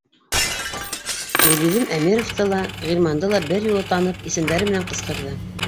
Гөлйөҙөм Әмировты ла, Ғилманды ла бер юлы танып, исемдәре менән ҡысҡырҙы: